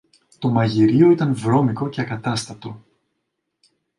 Το μαγειριό ήταν βρώμικο και ακατάστατο.